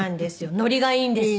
ノリがいいんですよ。